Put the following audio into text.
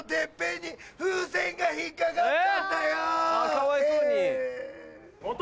かわいそうに。